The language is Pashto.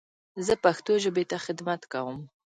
زه پښتو ژبې ته خدمت کوم.